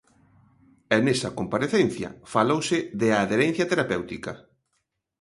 E nesa comparecencia falouse de adherencia terapéutica.